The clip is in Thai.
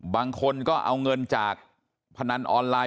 บางคนก็เอาเงินจากพนันออนไลน์